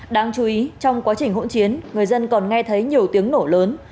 đáng chú ý trong quá trình hỗn chiến người dân còn nghe thấy nhiều tiếng nổ lớn